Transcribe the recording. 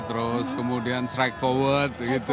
terus kemudian strike forward gitu